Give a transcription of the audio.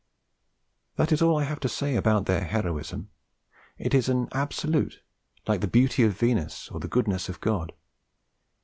That is all I have to say about their heroism. It is an absolute, like the beauty of Venus or the goodness of God.